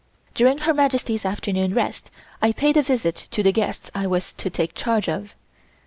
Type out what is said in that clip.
During Her Majesty's afternoon rest I paid a visit to the guests I was to take charge of.